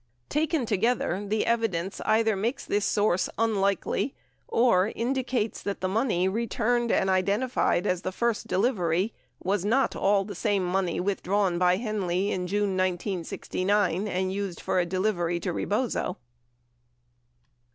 Taken together, the evidence either makes this source unlikely — or indicates that the money returned and identified as the first delivery was not all the same money withdrawn by Henley in June 1969 and used for a delivery to Rebozo.